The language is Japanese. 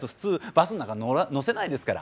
バスん中のせないですから。